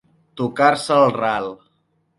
Tocar-se el ral.